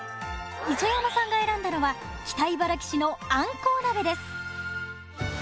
磯山さんが選んだのは北茨城市のあんこう鍋です。